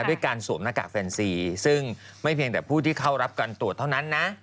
ด้วยการสวมหน้ากากแฟนซีซึ่งไม่เพียงแต่ผู้ที่เข้ารับการตรวจเท่านั้นนะ